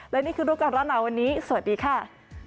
และนี่คือรูปการณ์หนาวันนี้สวัสดีค่ะ